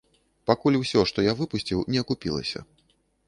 Пакуль усё, што я выпусціў, не акупілася.